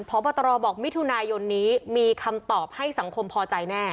พบตรบอกมิถุนายนนี้มีคำตอบให้สังคมพอใจแน่